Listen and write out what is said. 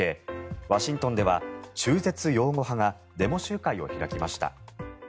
ワシントンでは中絶擁護派がデモ集会を開きました。